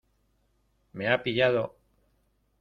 ¡ me ha pillado!